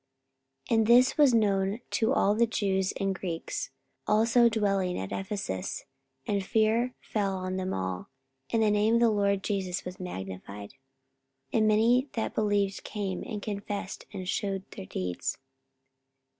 44:019:017 And this was known to all the Jews and Greeks also dwelling at Ephesus; and fear fell on them all, and the name of the Lord Jesus was magnified. 44:019:018 And many that believed came, and confessed, and shewed their deeds.